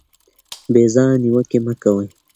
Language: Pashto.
بې ځایه نیوکې مه کوئ.